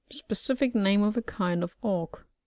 — Specific name of a kind of Auk.